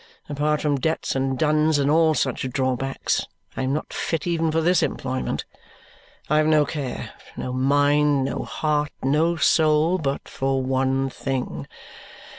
Apart from debts and duns and all such drawbacks, I am not fit even for this employment. I have no care, no mind, no heart, no soul, but for one thing.